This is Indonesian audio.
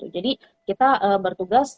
jadi kita bertugas